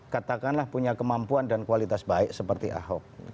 katakanlah punya kemampuan dan kualitas baik seperti ahok